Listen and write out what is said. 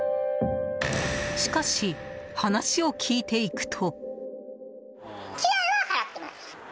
しかし、話を聞いていくと。